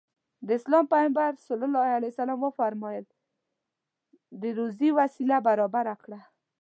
د اسلام پيغمبر ص وفرمايل د روزي وسيله برابره کړه.